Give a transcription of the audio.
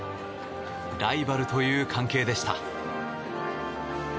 ライバルという関係でした。